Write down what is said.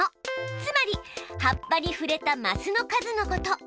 つまり葉っぱにふれたマスの数のこと。